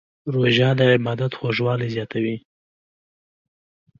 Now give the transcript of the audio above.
روژه د عبادت خوږوالی زیاتوي.